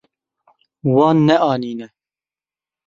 Wan neanîne.